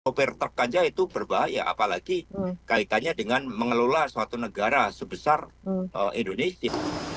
over truck aja itu berbahaya apalagi kaitannya dengan mengelola suatu negara sebesar indonesia